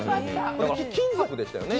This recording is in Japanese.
金属でしたよね。